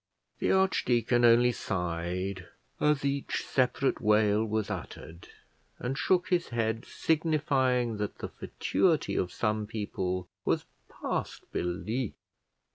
The archdeacon only sighed as each separate wail was uttered, and shook his head, signifying that the fatuity of some people was past belief.